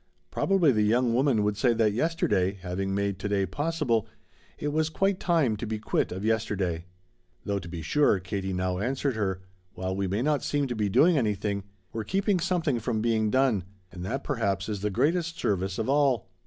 Probably the young woman would say that yesterday having made to day possible it was quite time to be quit of yesterday. "Though to be sure," Katie now answered her, "while we may not seem to be doing anything, we're keeping something from being done, and that perhaps is the greatest service of all.